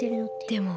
でも